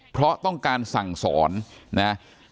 เพราะต้องการสั่งสอนนะ